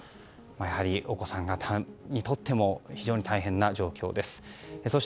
やはり、お子さんにとっても非常に大変な状況です。